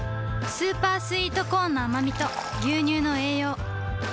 スーパースイートコーンのあまみと牛乳の栄養